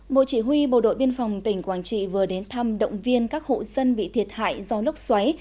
bộ chỉ huy bộ đội biên phòng tỉnh quảng trị vừa đến thăm động viên các hộ dân bị thiệt hại do lốc xoáy